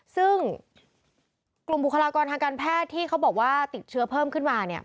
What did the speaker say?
ซึ่งกลุ่มบุคลากรทางการแพทย์ที่เขาบอกว่าติดเชื้อเพิ่มขึ้นมาเนี่ย